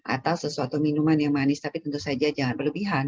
atau sesuatu minuman yang manis tapi tentu saja jangan berlebihan